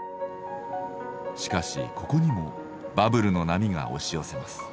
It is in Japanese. しかしここにもバブルの波が押し寄せます。